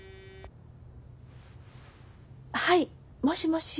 はいもしもし。